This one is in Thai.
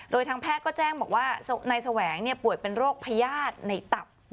โดยทางแพทย์ก็แจ้งบอกว่าในแสวงเนี่ยป่วยเป็นโรคพยาศน์ในตับ